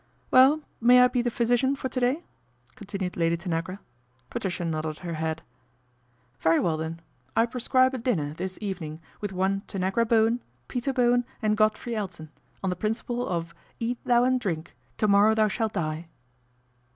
" Well, may I be the physician for to day ? continued Lady Tanagra. Patricia nodded her head. " Very well, then, I prescribe a dinner this evening with one Tanagra Bowen, Peter Bowen and Godfrey Elton, on the principle of ' Eat thou and drink, to morrow thou shalt die.'